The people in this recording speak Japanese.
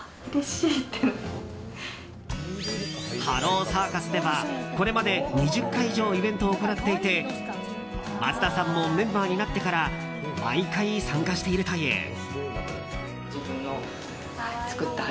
ハローサーカスではこれまで２０回以上イベントを行っていて松田さんもメンバーになってから毎回参加しているという。